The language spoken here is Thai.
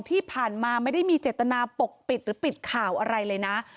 ที่ผ่านมาไม่ได้มีเจตนาปกปิดหรือปิดข่าวอะไรเลยนะ